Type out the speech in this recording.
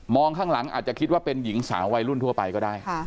ข้างหลังอาจจะคิดว่าเป็นหญิงสาววัยรุ่นทั่วไปก็ได้